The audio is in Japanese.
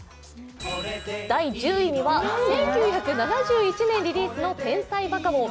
第１０位には、１９７１年リリースの「天才バカボン」。